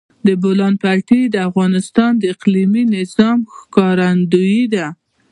د بولان پټي د افغانستان د اقلیمي نظام ښکارندوی ده.